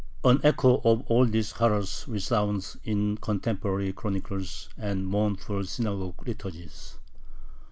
An echo of all these horrors resounds in contemporary chronicles and mournful synagogue liturgies.